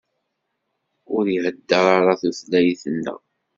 Ur ihedder ara tutlayt-nneɣ.